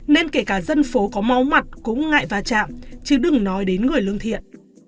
nên kể cả dân phố có máu mặt cũng ngại va chạm chứ đừng nói đến người lương thiện